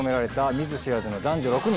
見ず知らずの男女６人。